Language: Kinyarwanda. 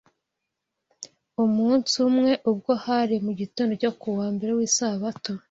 Umunsi umwe ubwo hari mu gitondo cyo ku wa mbere w’Isabato